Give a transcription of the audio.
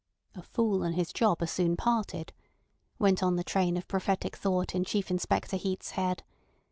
"A fool and his job are soon parted," went on the train of prophetic thought in Chief Inspector Heat's head.